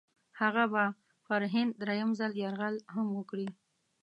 هغه به پر هند درېم ځل یرغل هم وکړي.